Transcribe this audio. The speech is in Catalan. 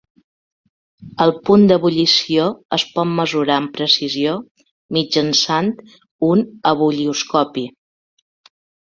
El punt d'ebullició es pot mesurar amb precisió mitjançant un ebullioscopi.